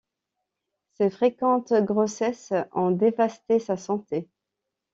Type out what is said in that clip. Ses fréquentes grossesses ont dévasté sa santé.